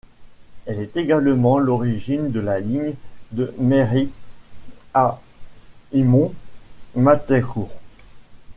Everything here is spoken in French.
Elle est également l'origine de la ligne de Merrey à Hymont - Mattaincourt.